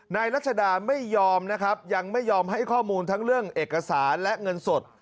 รัชดาไม่ยอมนะครับยังไม่ยอมให้ข้อมูลทั้งเรื่องเอกสารและเงินสด